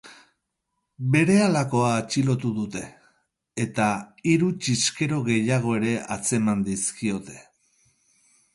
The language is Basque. Berehalakoa atxilotu dute, eta hiru txiskero gehiago ere atzeman dizkiote.